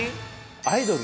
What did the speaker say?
アイドルを。